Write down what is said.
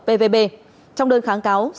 pvb trong đơn kháng cáo